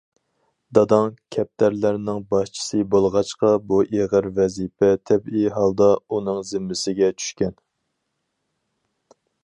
داداڭ كەپتەرلەرنىڭ باشچىسى بولغاچقا بۇ ئېغىر ۋەزىپە تەبىئىي ھالدا ئۇنىڭ زىممىسىگە چۈشكەن.